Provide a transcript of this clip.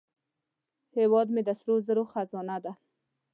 هیواد مې د سرو زرو خزانه ده